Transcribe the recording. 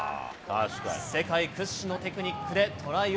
世界屈指のテクニックでトライを